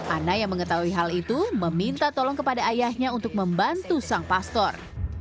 ana yang mengetahui hal itu meminta tolong kepada ayahnya untuk membantu sang pastor